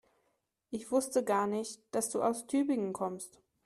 Ich wusste gar nicht, dass du aus Tübingen kommst